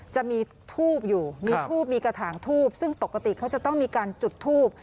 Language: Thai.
จะมีทูบอยู่มีทูบมีกระถางทูบซึ่งปกติเขาจะต้องมีการจุดทูบ